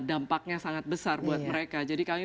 dampaknya sangat besar buat mereka jadi kami